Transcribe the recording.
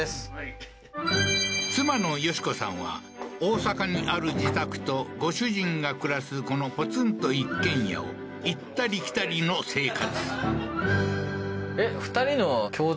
妻の美子さんは大阪にある自宅とご主人が暮らすこのポツンと一軒家を行ったり来たりの生活あっ